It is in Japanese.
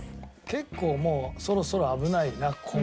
結構もうそろそろ危ないな今回は。